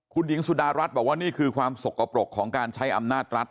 คุณหญิงสุดารัฐบอกว่านี่คือความสกปรกของการใช้อำนาจรัฐ